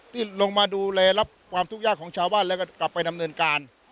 ที่ลงมาดูแลรับความทุกข์ยากของชาวบ้านแล้วก็กลับไปดำเนินการ